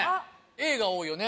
Ａが多いよね